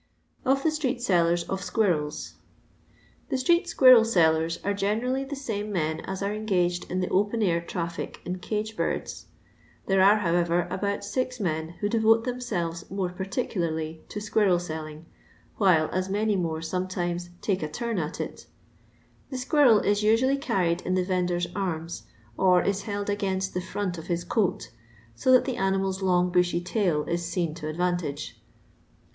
Of THE Strekt Sxllebs OF Squibbels. Ths ttreet tquirrel tellert are generally the same men at are engaged in the open air traffic in cnge birdt. There are, however, about tix men who devote themtelvet more particularly to squirrel telling, while at many more tometimes " take a turn at it" The squirrel is usually carried in the vendor's arms, or is held against the front of his coat, so that the animal's long bushy tail is seen to advantage.